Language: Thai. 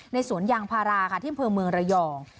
ในสวนยางพาราค่ะที่เมืองระยอง